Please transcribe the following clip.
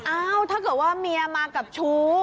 อ้าวถ้าเกิดว่าเมียมากับชู้